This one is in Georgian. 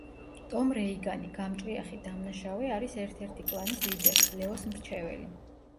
ტომ რეიგანი, გამჭრიახი დამნაშავე არის ერთ-ერთი კლანის ლიდერის, ლეოს მრჩეველი.